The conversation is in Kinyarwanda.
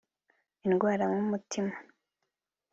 indwara nk’umutima